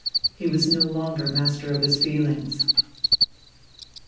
He was no longer master of his feelings.